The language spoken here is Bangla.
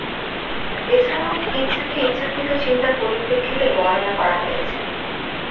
এছাড়াও, ইচ্ছাকে ইচ্ছাকৃত চিন্তার পরিপ্রেক্ষিতে বর্ণনা করা হয়েছে।